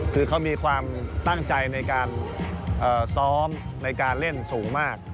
คือเขามีความตั้งใจในการซ้อมในการเล่นสูงมาก